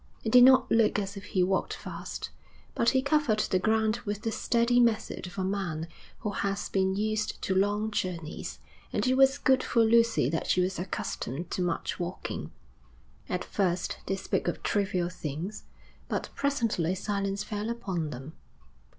It did not look as if he walked fast, but he covered the ground with the steady method of a man who has been used to long journeys, and it was good for Lucy that she was accustomed to much walking. At first they spoke of trivial things, but presently silence fell upon them.